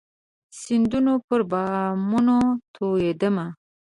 د سیندونو پر بامونو توئيدمه